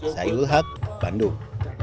saya yul haq bandung